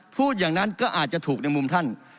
พูดอย่างนั้นก็อาจจะถูกในมุมท่าน